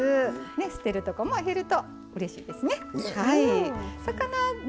捨てるところも減るとうれしいですね。